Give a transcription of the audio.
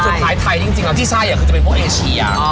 สุดท้ายที่ใส่จริงอะไรก็เป็นแมวเอเชีย